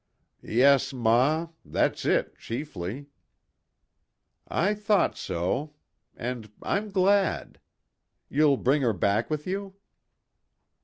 "Yes, ma. That's it chiefly." "I thought so. And I'm glad. You'll bring her back with you?"